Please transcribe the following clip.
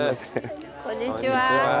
こんにちは。